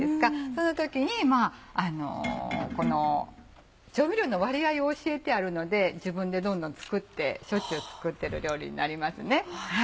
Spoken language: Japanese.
その時にこの調味料の割合を教えてあるので自分でどんどん作ってしょっちゅう作ってる料理になりますね。